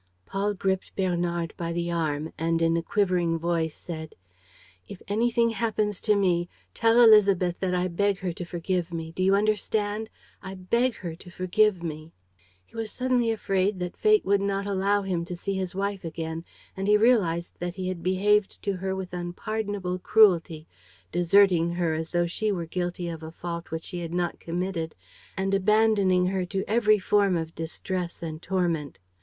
Paul gripped Bernard by the arm and, in a quivering voice, said: "If anything happens to me, tell Élisabeth that I beg her to forgive me. Do you understand? I beg her to forgive me." He was suddenly afraid that fate would not allow him to see his wife again; and he realized that he had behaved to her with unpardonable cruelty, deserting her as though she were guilty of a fault which she had not committed and abandoning her to every form of distress and torment.